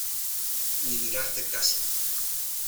ni mirarte casi.